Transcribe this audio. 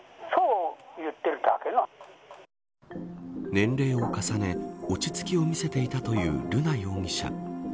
年齢を重ね落ち着きを見せていたという瑠奈容疑者。